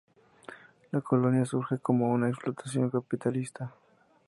La colonia surge como una explotación capitalista.